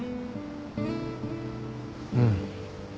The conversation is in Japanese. うん。